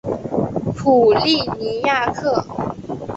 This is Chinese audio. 普利尼亚克。